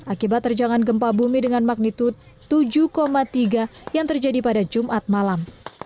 akibat terjangan gempa bumi dengan magnitud tujuh tiga yang terjadi pada jumat malam